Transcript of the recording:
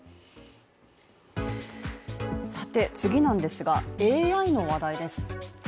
次なんですがＡＩの話題です。